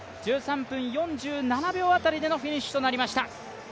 １３分４７秒辺りでのフィニッシュとなりました。